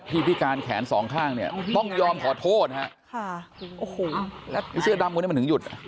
พิการแขนสองข้างเนี่ยต้องยอมขอโทษฮะค่ะโอ้โหแล้วไอ้เสื้อดำคนนี้มันถึงหยุด